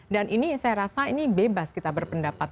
dan ini saya rasa ini bebas kita berpendapat